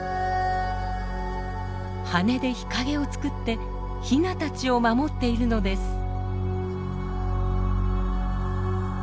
羽で日陰を作ってヒナたちを守っているのです。